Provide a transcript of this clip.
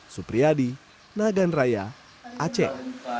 supriyadi nagan raya aceh